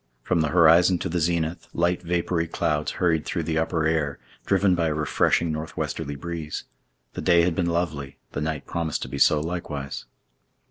From the horizon to the zenith, light vapory clouds hurried through the upper air, driven by a refreshing northwesterly breeze. The day had been lovely; the night promised to be so likewise.